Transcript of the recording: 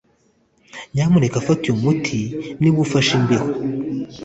Nyamuneka fata uyu muti niba ufashe imbeho